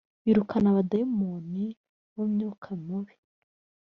birukana abadayimoni bumyuka mubi.